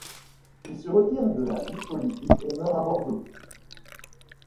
Il se retire de la vie politique et meurt à Bordeaux.